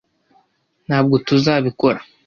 Ntabwo tuzabikora.